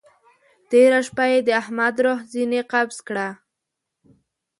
تېره شپه يې د احمد روح ځينې قبض کړه.